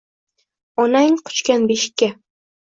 Onang quchgan beshikka